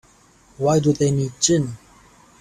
Why do they need gin?